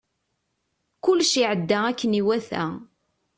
Kullec iɛedda akken iwata.